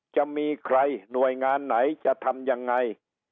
จะมีใครหน่วยงานไหนจะทำยังไง